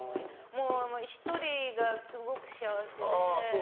もう１人がすごく幸せで。